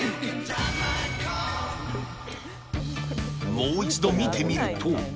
もう一度見てみると。